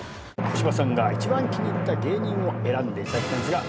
小芝さんが一番気に入った芸人を選んでいただきたいんですが。